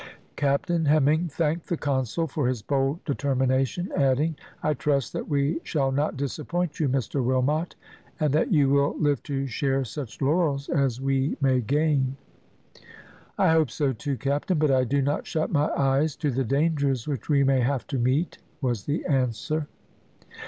Captain Hemming thanked the consul for his bold determination, adding, "I trust that we shall not disappoint you, Mr Wilmot, and that you will live to share such laurels as we may gain." "I hope so too, captain, but I do not shut my eyes to the dangers which we may have to meet," was the answer.